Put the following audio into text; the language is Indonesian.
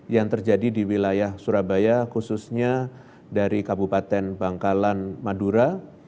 yang terjadi di wilayah surabaya khususnya dari kabupaten bangkalan madura